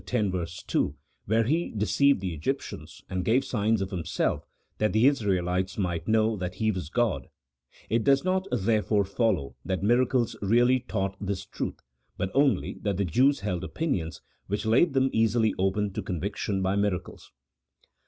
2, where He deceived the Egyptians, and gave signs of Himself, that the Israelites might know that He was God, — it does not, therefore, follow that miracles really taught this truth, but only that the Jews held opinions which laid them easily open to conviction by miracles.